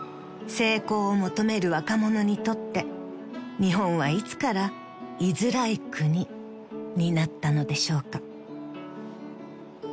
［成功を求める若者にとって日本はいつから居づらい国になったのでしょうか？］